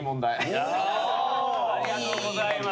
ありがとうございます。